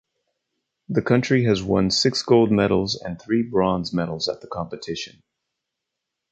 The country has won six gold medals and three bronze medals at the competition.